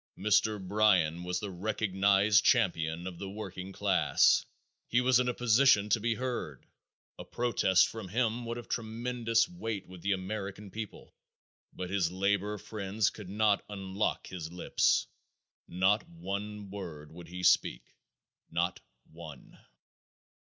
Mr. Bryan was the recognized champion of the working class. He was in a position to be heard. A protest from him would have tremendous weight with the American people. But his labor friends could not unlock his lips. Not one word would he speak. Not one.